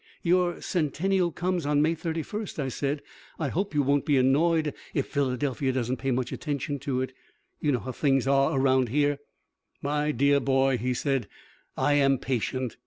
"Your centennial comes on May 31," I said, "I hope you won't be annoyed if Philadelphia doesn't pay much attention to it. You know how things are around here." "My dear boy," he said, "I am patient.